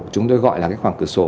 chúng tôi gọi là cái khoảng cửa sổ